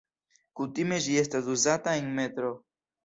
Kutime ĝi estas uzata en metroo.